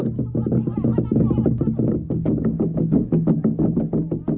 matahari mulai mengarah ke timur